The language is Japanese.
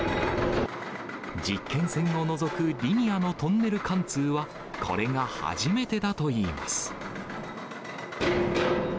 実験線を除く、リニアのトンネル貫通は、これが初めてだといいます。